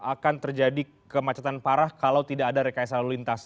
akan terjadi kemacetan parah kalau tidak ada rekayasa lalu lintas